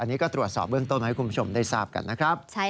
อันนี้ก็ตรวจสอบเบื้องต้นมาให้คุณผู้ชมได้ทราบกันนะครับ